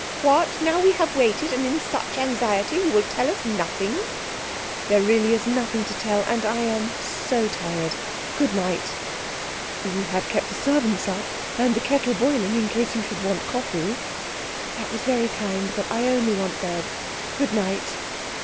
"What! Now that we have waited, and in such anxiety, you will tell us nothing?" "There really is nothing to tell. And I am so tired good night." "We have kept the servants up and the kettle boiling in case you should want coffee." "That was very kind, but I only want bed. Good night."